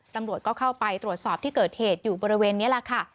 ตำรวจก็เข้าไปตรวจสอบที่เกิดเหตุอยู่บริเวณนี้แหละค่ะ